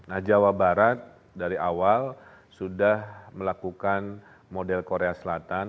nah jawa barat dari awal sudah melakukan model korea selatan